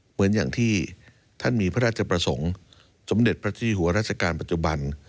เหมือนอย่างที่ท่านมีพระราชประสงค์สมเด็จพระเจ้าหัวราชการปัจจุบัน